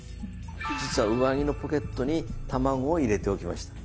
実は上着のポケットに卵を入れておきました。